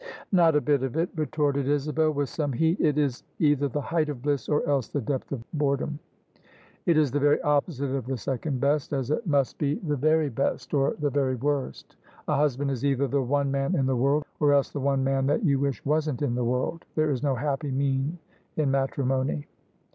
"Not a bit of It," retorted Isabel, with some heat: "it is either the height of bliss or else the depth of boredom. It is the very opposite of the second best, as it must be the very l[ 248 ] OF ISABEL CARNABY best or the very worst. A husband is either the one man in the world, or else the one man that you wish wasn't in the world : there is no happy mean in matrimony."